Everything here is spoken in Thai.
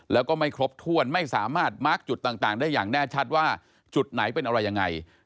แล้วก็ไม่ครบถ้วนไม่สามารถมาร์คจุดต่างได้อย่างแน่ชัดว่าจุดไหนเป็นอะไรยังไง